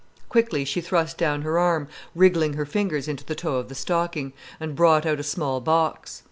Quickly, she thrust down her arm, wriggling her fingers into the toe of the stocking, and brought out a small box.